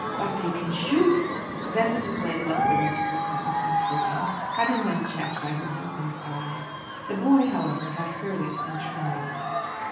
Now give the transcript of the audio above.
"But they can shoot " Then Mrs. Blake left the rest of her sentence unspoken, having been checked by her husband's eye. The boy, however, had heard it and trembled.